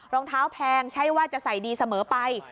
รองเท้าแพงใช่ว่าจะใส่ดีเสมอไป